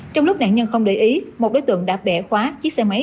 trong lúc nạn nhân không để ý một đối tượng đã bẻ khóa chiếc xe máy